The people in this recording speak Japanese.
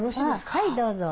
はいどうぞ。